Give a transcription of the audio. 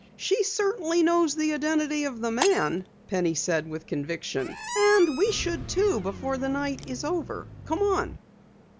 "She certainly knows the identity of the man," Penny said with conviction. "And we should too before the night's over. Come on!"